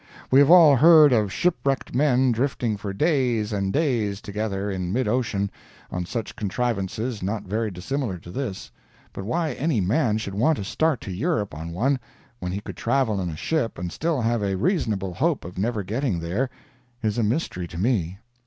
We have all heard of shipwrecked men drifting for days and days together, in midocean, on such contrivances not very dissimilar to this, but why any man should want to start to Europe on one, when he could travel in a ship and still have a reasonable hope of never getting there, is a mystery to me.